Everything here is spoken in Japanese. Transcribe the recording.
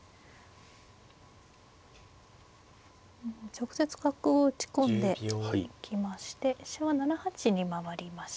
直接角を打ち込んでいきまして飛車は７八に回りました。